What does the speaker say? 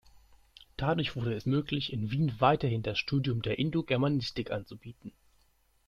Dadurch wurde es möglich, in Wien weiterhin das Studium der Indogermanistik anzubieten.